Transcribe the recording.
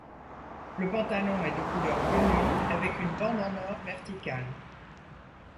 Le pantalon est de couleur bleu nuit avec une bande en or verticale.